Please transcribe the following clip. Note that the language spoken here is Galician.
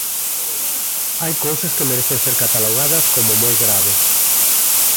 Hai cousas que merecen ser catalogadas como moi graves.